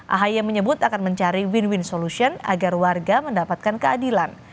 ahaya menyebut akan mencari win win solution agar warga mendapatkan keadilan